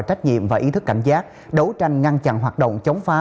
trách nhiệm và ý thức cảnh giác đấu tranh ngăn chặn hoạt động chống phá